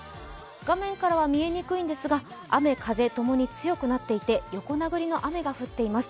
画面からは見えにくいんですが雨、風ともに強くなっていて横殴りの雨が降っています。